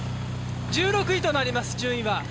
１６位となります、順位は。